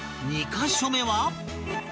２カ所目は